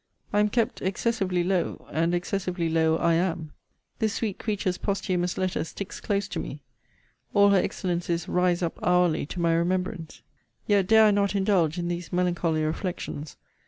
I am kept excessively low; and excessively low I am. This sweet creature's posthumous letter sticks close to me. All her excellencies rise up hourly to my remembrance. Yet dare I not indulge in these melancholy reflections.